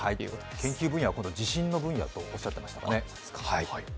研究分野は自信の分野とおっしゃっていましたからね。